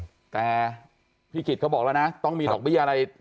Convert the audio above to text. แต่พี่กิจเขาบอกแล้วนะต้องมีดอกเบี้ยอะไร